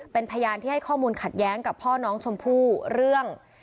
เป็นพยานที่ให้ข้อมูลขัดแย้งกับพ่อน้องชมพู่เรื่อง